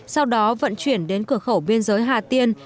sau đó vận chuyển đến cửa khẩu biên giới hà tiên